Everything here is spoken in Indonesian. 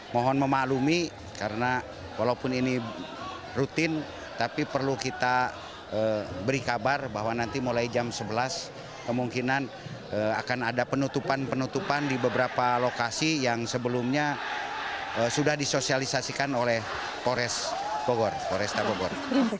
mohon memaklumi karena walaupun ini rutin tapi perlu kita beri kabar bahwa nanti mulai jam sebelas kemungkinan akan ada penutupan penutupan di beberapa lokasi yang sebelumnya sudah disosialisasikan oleh polresta bogor